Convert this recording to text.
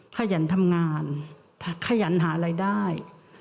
ขยันทำงานขยันหารายได้